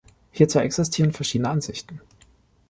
Hierzu existieren verschiedene Ansichten.